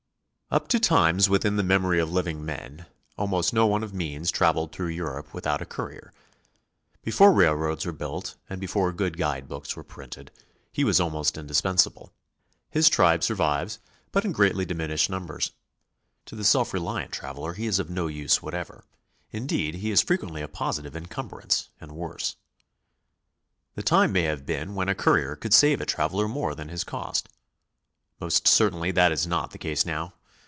Up to times within the memory of living men, almost no one of means traveled through Europe without a courier. Before railroads were built and before good guide books were printed, he was almost indispensable. His tribe sur vives, but in greatly diminished numbers. To the self reliant traveler he is of no use whatever. Indeed, he is fre quently a positive encumbrance, and worse. The time may have been when a courier could save a traveler more than his cost. Most certainly that is not the case now.